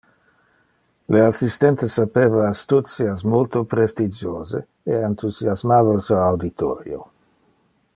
Le assistente sapeva astutias multo prestigiose e enthusiasmava su auditorio.